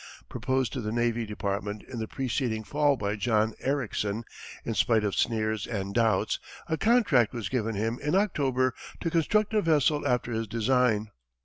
Proposed to the Navy Department in the preceding fall by John Ericsson, in spite of sneers and doubts, a contract was given him in October to construct a vessel after his design.